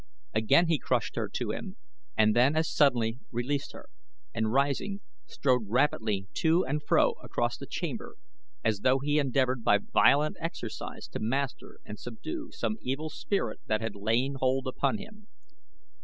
Again he crushed her to him and then as suddenly released her, and rising, strode rapidly to and fro across the chamber as though he endeavored by violent exercise to master and subdue some evil spirit that had laid hold upon him.